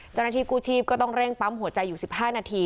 เจ้าหน้าที่กู้ชีพก็ต้องเร่งปั๊มหัวใจอยู่๑๕นาที